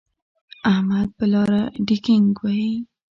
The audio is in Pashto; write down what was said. احمد په لاره ډینګګ وهي.